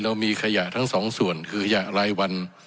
มีขยะทั้งสองส่วนคือขยะรายวัน